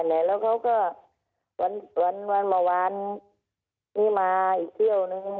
แน่ะแล้วเขาก็วันมีมาอีกเที่ยวหนึ่ง